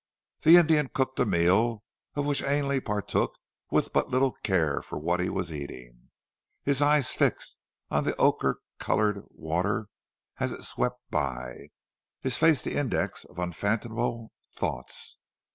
The Indian cooked a meal, of which Ainley partook with but little care for what he was eating, his eyes fixed on the ochre coloured water as it swept by, his face the index of unfathomable thoughts.